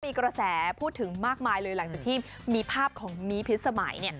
มีกระแสพูดถึงมากมายเลยหลังจากที่มีภาพของมีพิษสมัย